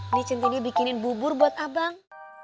ini centini bikinin bubur buat abang